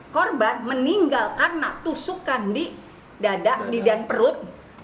korban meninggal karena tusukan di dadak didan perut